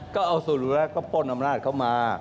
ก็เอาส่วนแล้วก็ป้นอำนาจเข้ามา